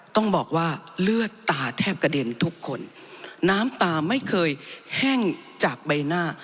ต้องบอกว่าเลือดตาแทบกระเด็นทุกคนน้ำตาไม่เคยแห้งจากใบหน้า